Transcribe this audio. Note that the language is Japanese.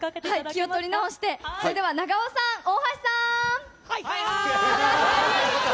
では気を取り直して、それでは、長尾さん、大橋さん。はーい！